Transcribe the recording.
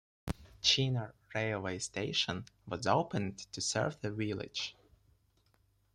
Chinnor railway station was opened to serve the village.